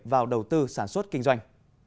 vào đầu tư sản xuất kinh doanh